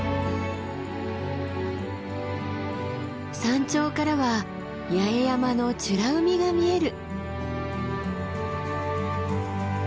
山頂からは八重山の美ら海が見える。